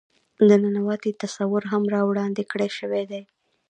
د ننواتې تصور هم را وړاندې کړے شوے دے.